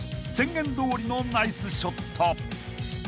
［宣言どおりのナイスショット］